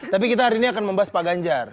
tapi kita hari ini akan membahas pak ganjar